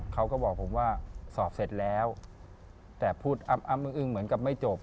เขาก็บอกผมว่าสอบเสร็จแล้วแต่พูดอ้ำอึ้งเหมือนกับไม่จบ